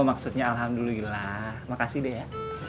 oh maksudnya alhamdulillah makasih dea